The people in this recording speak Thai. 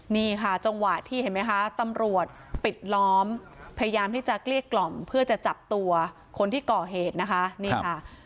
นี่ค่ะจังหวะที่เห็นไหมคะตำรวจปิดล้อมพยายามที่จะเกลี้ยกล่อมเพื่อจะจับตัวคนที่ก่อเหตุนะคะนี่ค่ะ